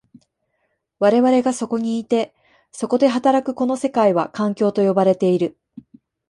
我々がそこにいて、そこで働くこの世界は、環境と呼ばれている。